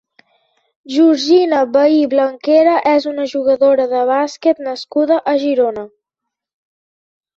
Georgina Bahí Blanquera és una jugadora de bàsquet nascuda a Girona.